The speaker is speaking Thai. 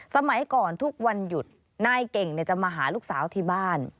สมัยก่อนทุกวันหยุดนายเก่งจะมาหาลูกสาวที่บ้าน